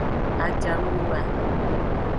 Ajanuyoa.